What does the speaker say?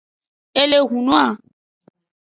E le hunua.